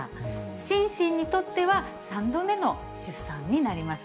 シンシンにとっては、３度目の出産になります。